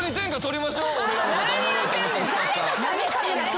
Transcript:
俺らのことおもろいと思ったスタッフさん。